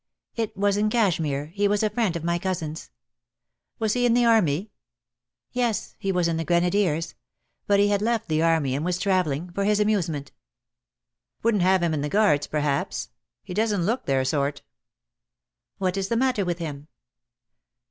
"It was in Cashmere; he was a friend of ray cousin's." "Was he in the army?" "Yes, he was in the Grenadiers. But he had left the army and was travelling — for his amuse ment." "Wouldn't have him in the Guards perhaps; he doesn't look their sort." "What is the matter with him?"